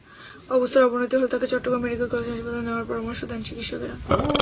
অবস্থার অবনতি হলে তাকে চট্টগ্রাম মেডিকেল কলেজ হাসপাতালে নেওয়ার পরামর্শ দেন চিকিৎসকেরা।